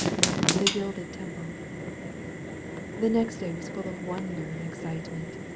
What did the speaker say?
II THE GILDED TEMPLE The next day was full of wonder and excitement.